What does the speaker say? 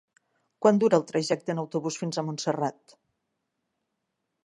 Quant dura el trajecte en autobús fins a Montserrat?